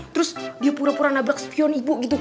terus dia pura pura nabrak spion ibu gitu